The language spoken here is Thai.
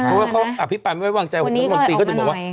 เพราะเขาอภิปัยไม่ว่างใจว่าวันที่สี่เขาถึงบอกว่า